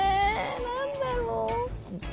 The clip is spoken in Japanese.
何だろう。